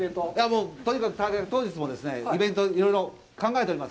とにかく大会当日も、イベントをいろいろ考えております。